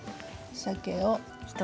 さけを。